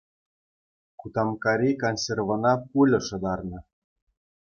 Кутамккари консервӑна пуля шӑтарнӑ